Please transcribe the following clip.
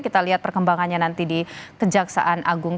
kita lihat perkembangannya nanti di kejaksaan agung